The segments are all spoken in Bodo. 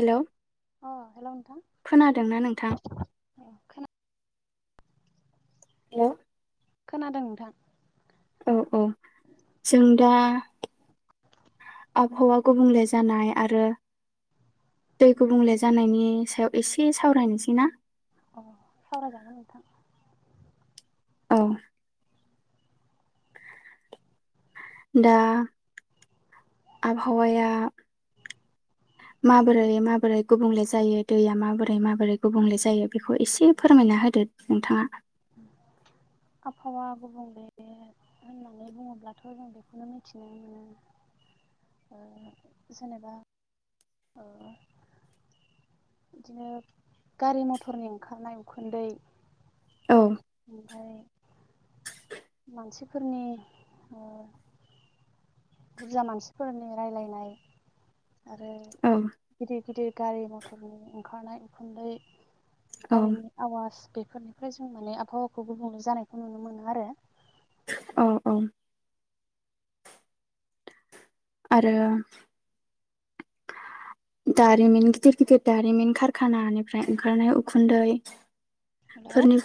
हेलौ अ हेल' नोंथां खोनादोंना नोंथां औ खोना हेलौ खोनादों नोंथां औ औ जों दा आबहावा गुबुंले जानाय आरो दै गुबुंले जानायनि सायाव एसे सावरायनोसै ना अ सावराय जागोन नोंथां औ दा आबहावाया माबोरै माबोरै गुबुंले जायो दैया माबोरै माबोरै गुबुंले जायो बेखौ एसे फोरमायना होदो नोंथाङा आबहावा गुबुंले होननानै बुङोब्लाथ' जों बेखौनो मिथिनो मोनोओ जेनेबा ओ बिदिनो गारि मथरनि ओंखारनाय उखुन्दै औ ओमफाय मानसिफोरनि ओ बुरजा मानसिफोरनि राय्लायनाय आरो औ गिदिर गिदिर गारि मथरनि ओंखारनाय उखुन्दै औ गारिनि आवाज बेफोरनिफ्राय जों माने आबहावाखौ गुबुंले जानायखौ नुनो मोनो आरो औ औ आरो दारिमिन गिदिर गिदिर दारिमिन खारखानानिफ्राय ओंखारनाय उखुन्दै हेल' फोरनि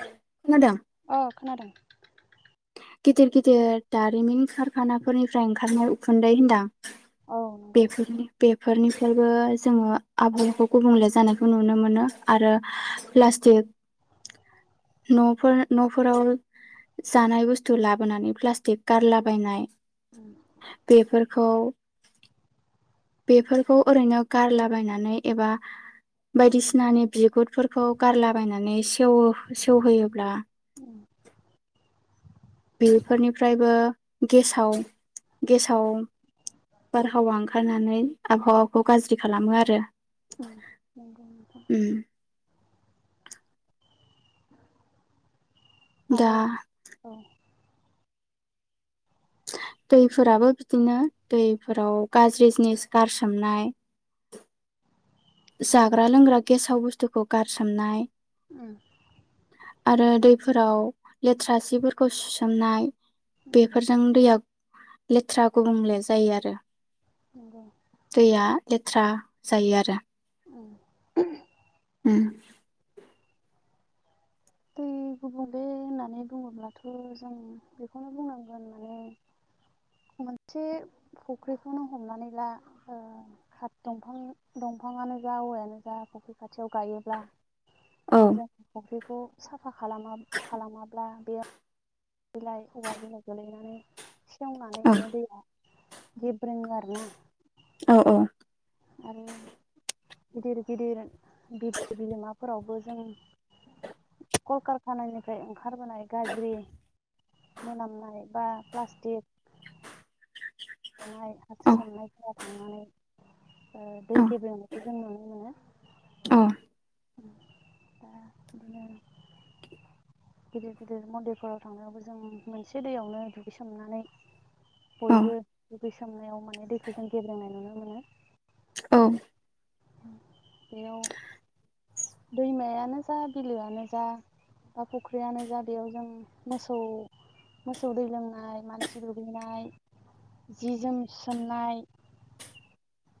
खोनादों अ खोनादों गिदिर गिदिर दारिमिन खारखानाफोरनिफ्राय ओंखारनाय उखुन्दै होनदां औ नंगौ बेफोरनि बेफोरनिफ्रायबो जोङो आबहावाखौ गुबुंले जानायखौ नुनो मोनो आरो प्लास्टिक न'फोर न'फोराव जानाय बुस्थु थु लाबोनानै प्लास्टिक गारला बायनाय उम बेेफोर बेफोरखौ ओरैनो गारलाबायनानै एबा बायदिसिनानि बिगुरफोरखौ गारलाबायनानै सेवो सेवहोयोब्ला उम बेफोरनिफ्रायबो गेसाव गेसाव बारहावा ओंखारनानै आबहावाखौ गाज्रि खालामो आरो ओम नंगौ नोंथां उम [inaudible] दा आरो औ दैफोराबो बिदिनो दैफोराव गाज्रि जिनिस गारसोमनाय जाग्रा लोंग्रा गेसाव बुस्थुखौ गारसोमनाय ओम आरो दैफोराव लेथ्रा सिफोरखौ सुसोमनाय उम बेफोरजों दैया लेथ्रा गुबुंले जायो आरो नोंगौ दैया लेथ्रा जायो आरो [unintelligible] उम दै गुबुंले होननानै बुङोब्लाथ' जों बेखौनो बुंनांगोन माने मोनसे फुख्रिखौनो हमनानै ला ओ खाथ दंफां दंफाङानो जा औवायानो जा फुख्रि खाथियाव गायोब्ला औ जा फख्रि साफा खालामा खालामाब्ला बेयो बिलाइ औवा बिलाइ गोलैनानै सेवनानै औ माने दैया बिब [unintelligible] आरो औ गिदिर गिदिर बिलो बिलोमाफोरावबो जों कलकारखानानिफ्राय ओंखारबोनाय गाज्रि मोनामनाय बा प्लास्टिक सुनाय औ सोमनायफोरा थांनानैओ दै औ गेब्रंनायखो जों नुनो मोनो। दा बिदिनो गिदिर गिदिर मन्दिरफोराव थांनायावबो जों मोनसे दैयावनो दुगैसोमनानै औ बयबो दुगैसोमनायाव माने दैखौ जों गेब्रेंनाय नुनो मोनो। औ बेयाव दैमायानो जा बिलोआनो जा बा फुख्रियानो जा बेयाव जों मोसौ मोसौ दै लोंनाय मानसि दुगैनाय जि जोम सुसोमनाय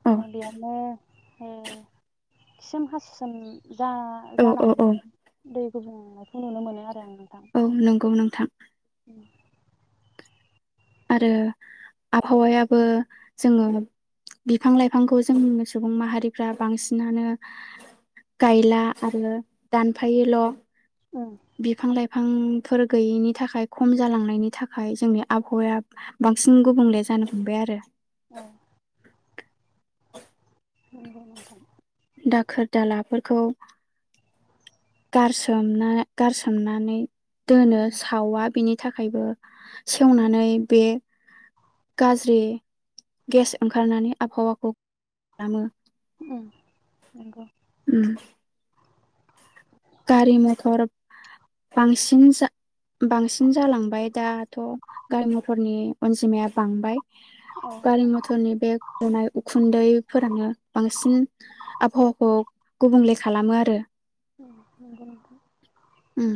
ओ बेवनो ओ खिसोम हासुसोम जा औ औ औ जानानै दै गुबुंनायखौ नुनो मोनो आरो आं नोंथां। औ नंगौ नोंथां [unintelligible] आरो आबहावायाबो जोङो बिफां लाइफांखौ जों सुबुं माहारिफ्रा बांसिनानो गायला आरो दानफायोल' उम बिफां लाइफां बिफांफोर गैयैनि थाखाय खम जालांनायनि थाखाय जोंनि आबहावाया बांसिन गुबुंले जानो हमबाय आरो। औ नोंगौ नोंथां दाखोर दालाफोरखौ गारसोमना गारसोमनानै दोनो उम सावा बिनि थाखायबो सेवनानै बे गाज्रि गेस ओंखारनानै आबहावाखौ खालामो। उम नंगौ। गारि मथर बांसिन जा बांसिन जालांबाय दाथ' गारि मथरनि अनजिमाया बांबाय। औ गारि मथरनि बे गनाय उखुन्दैफोरानो बांसिन आबहावाखौ गुबुंले खालामो आरो। नंगौ नोंथां। उम।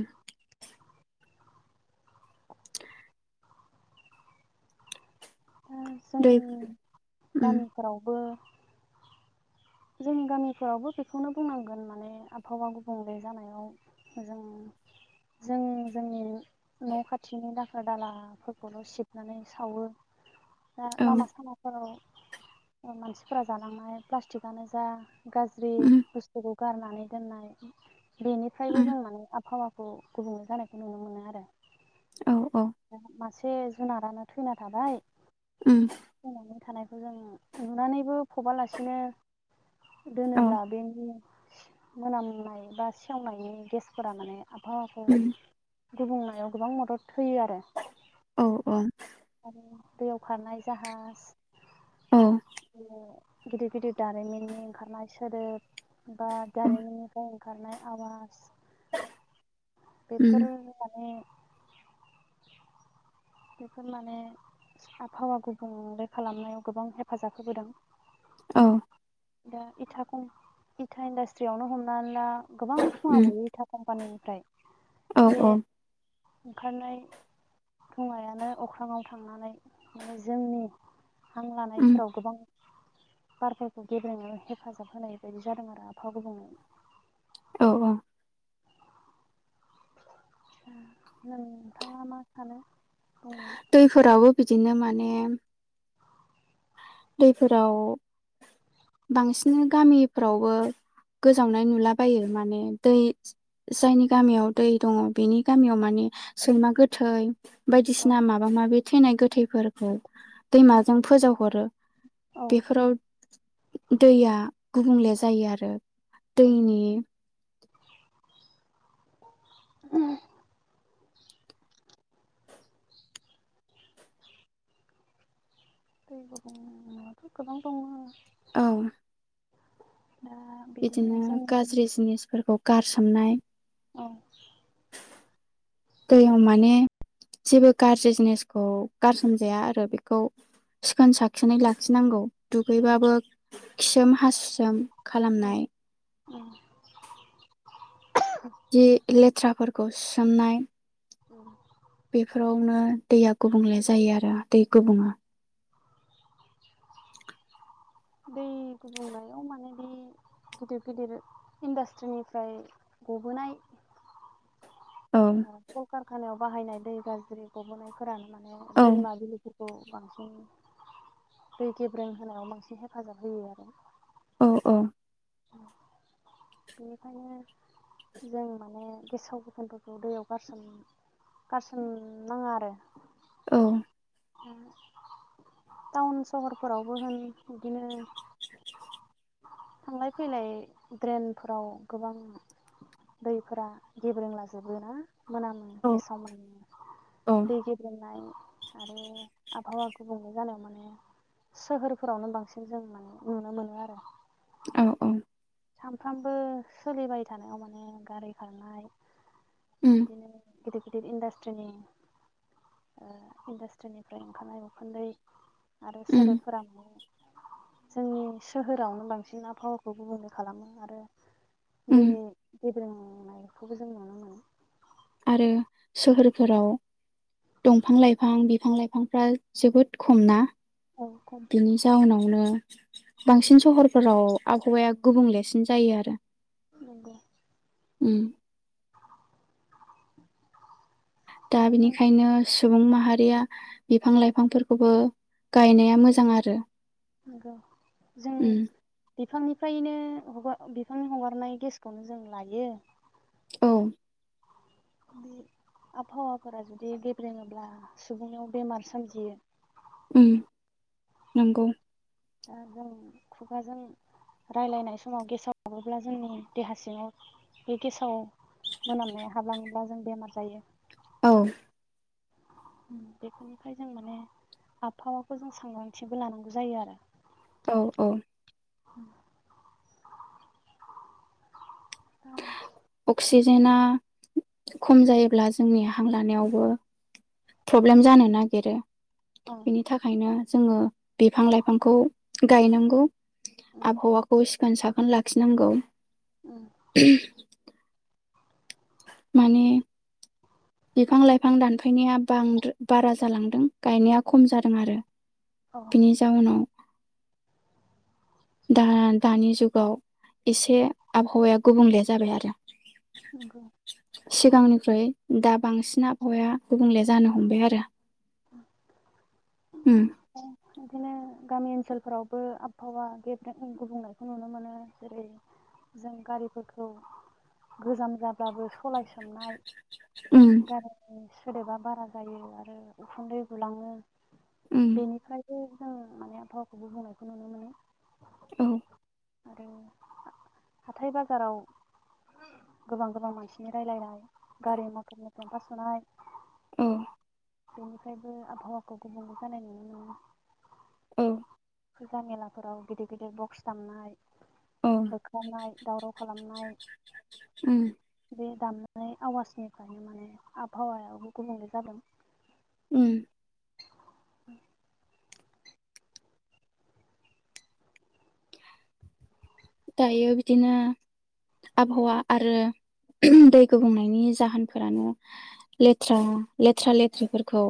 दा दै जोंनि उम गामिफोरावबो जों गामिफोरावबो बेखौनो बुंनांगोन माने आबहावा गुबुंले जानायाव जों जों जोंनि न' खाथिनि दाखोर दालाफोरखौल' सिबनानै सावो। दा औ लामा सामाफोराव मानसिफोरा जालांनाय प्लास्टिक आनो जा गाज्रि उम बुस्थुखौ गारनानै दोननाय बेनिफ्रायबो उम जों माने आबहावा खौ गुबुंले जानायखौ नुनो मोनो आरो। औ। औ [unintelligible] एसे जुनारानो थैना थाबाय। उम। थैनानै थानायखौ जों नुनानैबो फबालासिनो औ दोनोब्ला बेनि मोनामनाय बा सेवनायनि गेसफोरा माने आबहावाखौ उम गुबुंनायाव गोबां मदद होयो आरो। औ औ आरो दैयाव खारनाय जाहाज औ [unintelligible] गिदिर गिदिर दारिमिननि ओंखारनाय सोदोब बा उम दारिमिननिफ्राय ओंखारनाय आवाज उम बेफोर माने बेफोर माने आबहावा गुबुंले खालामनायाव गोबां हेफाजाब होबोदों। औ। दा इथा खम इथा इन्डासट्रियावनो हमनानै ला गोबां धुङा उम गयो इथा कम्पानिनिफ्राय औ बे औ ओंखारनाय धुङायानो अख्राङाव थांनानै माने जोंनि हां उम लानायफोराव गोबां बारफोरखौ गेब्रेनायाव हेफाजाब होनाय बायदि जादों आरो आफावा गुबुंनाआ। औ औ। जों नोंथाङा मा सानो? बुंनो दैफोराबो बिदिनो माने दैफोराव बांसिन गामिफ्रावबो गोजावनाय नुलाबायो, माने दै जायनि गामियाव दै दङ बेनि गामियाव माने सैमा गोथै औ बायदिसिना माबा माबि थैनाय गोथैफोरखौ दैमाजों फोजावहरो। औ बेफोराव दैया गुबुंले जायो आरो। नंगौ। दैनि [inaudible] दै गुबुनायाथ' गोबां दङो औ। दा बिदिनो जोंनि गाज्रि जिनिसफोरखौ गारसोमनाय औ। दैयाव माने जेबो गाज्रि जिनिसखौ गारसोमजाया आरो बेखौ सिखोन साखोनै लाखिनांगौ दुगैबाबो खिसोम हासुसोम उम खालामनाय उम जि ले - थ्राफोरखौ सुसोमनाय औ बेफोरावनो दैया गुबुंले जायो आरो दै गुबुङो दै गुबुंनायाव माने बे गिदिर गिदिर इन्डास्ट्रिनिफ्राय गबोनाय औ कल खारखानायाव बाहायनाय दै गाज्रि गब'बोनायफोरानो माने औ दैमा बिलोफो- [unintelligible] खौ बांसिन दै गेब्रें होनायाव बांसिन हेफाजाब होयो आरो। औ औ। बेनिखायनो जों माने गेसाव गोफोनफोरखौ दैयाव गारसोम गारसोमनाङा आरो औ। उम टाउन सहरफोरावबो होन बिदिनो थांलाय फैलाय ड्रेनफोराव गोबां दैफोरा गेब्रेंलाजोबो ना? मोनामो औ गेसाव मोनो औ दै गेबे्ंनाय आरो आबहावा गुबुंले जानायाव माने सोहोरफोरावनो बांसिन जों माने नुनो मोनो आरो औ औ सानफ्रामबो सोलिबाय थानायाव माने गारि खारनाय उम बिदिनो गिदिर गिदिर इन्डास्ट्रिनि ओ इन्डास्ट्रिनिफ्राय ओंखारनाय उखुन्दै आरो उम सोलोबफोरा मुं। जोंनि सोहोरावनो बांसिन ना पावखौ मोनयो। खालामो आरो उम दै गेब्रेंनायखौबो जों नुनो मोनो। आरो सोहोरफोराव दंफां लाइफां बिफां लाइफांफ्रा जोबोद खमना। औ खम बिनि जाउनावनो। बांसिन सहरफोराव आबहावाया गुबुंलेसिन जायो आरो। नंगौ उम दा बिनिखायनो। सुबुं माहारिया बिफां लाइफांफोरखौबो गायनाया मोजां आरो। नंगौ जों उम बिफांनिफ्रायनो। हगार बिफांनि हगारनाय गेसखौनो जों लायो। औ आबहावाफोरा जुदि गेब्रेङोब्ला सुबुंआव बेमार सोमजियो। उम नंगौ ओ जों खुगाजों राय्लायनाय समाव गेसाव हाबोब्ला जोंनि देहा सिङाव बे गेसाव मोनामनाय हाबलाङोब्ला जों बेमार जायो। औ बेफोरनिखाय जों माने आबहावाखौ जों सांग्रांथिबो लानांगौ जायो आरो। औ-औ औ अक्सिजेनाआ खम जायोब्ला जोंनि हां लानायावबो प्रब्लेम जानो नागिरो औ बिनि थाखायनो जोङो बिफां लाइफांखौ। गाय नांगौ। उम आबहवाखौ सिखोन साखोन लाखिनांगौ [inaudible] उम माने बिफां लाइफां दानफैनाया बांदाय बारा जालांदों गायनाया खम जादों आरो। औ बिनि जाहोयनाव दा दानि जुगाव एसे आबहावाया गुबुंले जाबाय आरो। नंगौ सिगांनिफ्राय। दा बांसिन आबहावाया गुबुंले जानो हमबाय आरो। उम बिदिनो गामि ओनसोलफोरावबो आबहावा गेब गुबुंनायखौ नुनो मोनो जेरै जों गारिफोरखौ गोजाम जाब्लाबो सलायसो। उ [inaudible] सोदोबा बारा जायो आरो उखुन्दै गुलाङो उम बेनिखायनो जों माने आबहावखौबो गुबुंनायखौ नुनो मोनो औ आरो हाथाय बाजाराव गोबां गोबां मानसिनि रायज्लायनाय गारि मथर फेम्फा सुनाय औ बेनिफ्रायबो आबहावाखौ गुबुंले जानाय नुनो ओ औ फुजा मेलाफोराव गिदिर गिदिर बक्स दामनाय औ होखारनाय दावराव खालामनाय उम बे दामनानै आवाजनिफ्रायनो माने आबहावायो गुबुंले जादों उम [inaudible] दायो बिदिनो आबहावा आरो दै गुबुंनायनि जाहोनफोरानो लेथ्रा लेथ्रा लेथ्राफोरखौ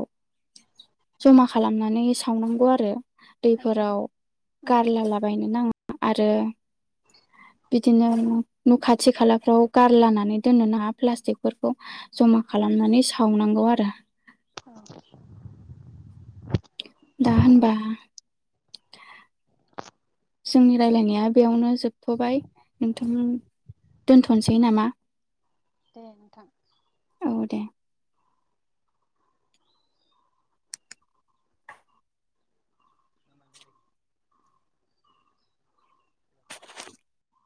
जमा खालामनानै सावनांगौ आरो उम दैफोराव गारलालाबायनो नाङा आरो बिदिनो न' खाथि खालाफ्राव गारलानानै दोननो नाङा प्लास्टिकफोरखौ जमा खालामनानै सावनां गौ आरो औ दा होनबा जोंनि रायलायनाया बेयावनो जोबथ'बाय नोंथां दोनथ'नोसै नामा? दे नोंथां। औ दे।